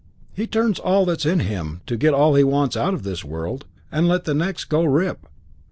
He turns all that's in him to get all he wants out of this world and let the next go rip.